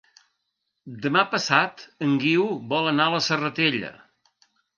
Demà passat en Guiu vol anar a la Serratella.